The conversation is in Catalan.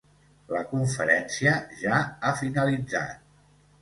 La conferència ja ha finalitzat.